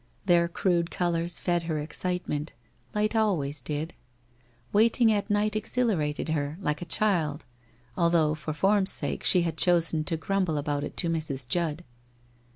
Their crude colours fed her excitement — light always did. Wait ing at night exhilarated her, like a child, although for form's sake she had chosen to grumble about it to Mrs. Judd.